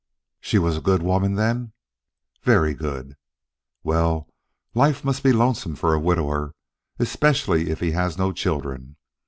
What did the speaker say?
"She was a good woman, then?" "Very good." "Well, life must be lonesome for a widower, especially if he has no children.